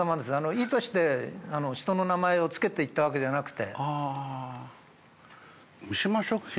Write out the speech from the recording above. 意図して人の名前をつけていったわけじゃなくて。